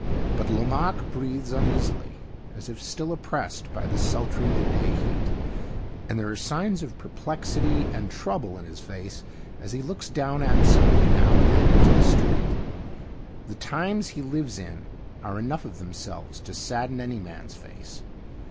But Lomaque breathes uneasily, as if still oppressed by the sultry midday heat; and there are signs of perplexity and trouble in his face as he looks down absently now and then into the street. The times he lives in are enough of themselves to sadden any man's face.